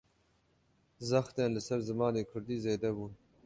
Zextên li ser zimanê Kurdî, zêde bûn